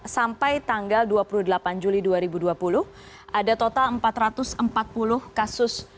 sampai tanggal dua puluh delapan juli dua ribu dua puluh ada total empat ratus empat puluh kasus